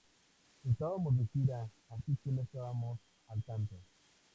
Estábamos de gira así que no estábamos al tanto".